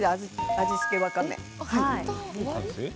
味付けわかめ。